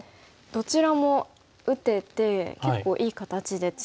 どちらも打てて結構いい形で強いですよね。